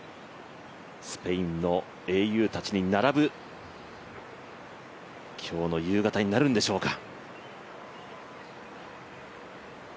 スペインの英雄たちに並ぶ、今日の夕方になるんでしょうか。